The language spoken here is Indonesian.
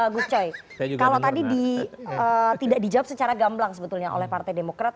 gus coy kalau tadi tidak dijawab secara gamblang sebetulnya oleh partai demokrat